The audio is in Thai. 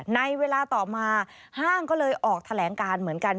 ในเวลาต่อมาห้างก็เลยออกแถลงการเหมือนกัน